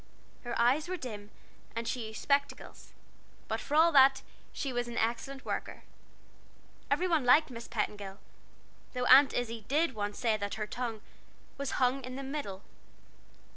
Her eyes were dim, and she used spectacles; but for all that, she was an excellent worker. Every one liked Miss Petingill though Aunt Izzie did once say that her tongue "was hung in the middle."